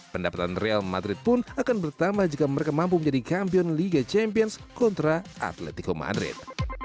pendapatan real madrid pun akan bertambah jika mereka mampu menjadi kampion liga champions kontra atletico madrid